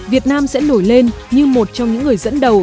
việt nam sẽ nổi lên như một trong những người dẫn đầu